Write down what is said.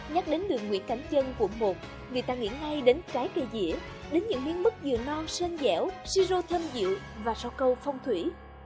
nhắc đến đường nguyễn cảnh chân quận một người ta nghĩ ngay đến trái cây dĩa đến những miếng bức dừa non sơn dẻo si rô thơm dịu và rau câu phong thủy